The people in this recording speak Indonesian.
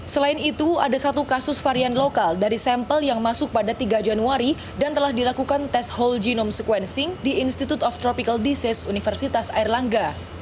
selain itu ada satu kasus varian lokal dari sampel yang masuk pada tiga januari dan telah dilakukan tes whole genome sequencing di institute of tropical disease universitas airlangga